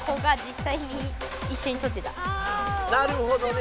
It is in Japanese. なるほどね！